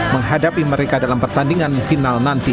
menghadapi mereka dalam pertandingan final nanti